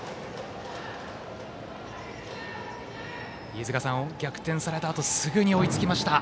飯塚さん、逆転されたあとすぐに追いつきました。